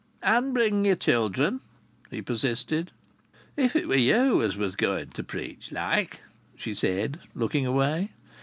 "And bring yer children," he persisted. "If it was you as was going to preach like!" she said, looking away.